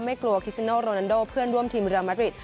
ไม่กลัวคิซิโนโรนันโดเพื่อนร่วมทีมเรียมัตริด